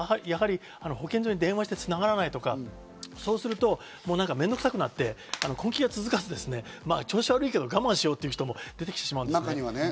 やはり保健所に電話して繋がらないとか、そうすると面倒くさくなって根気が続かず、調子悪いけど我慢しようという人も出てきてしまう。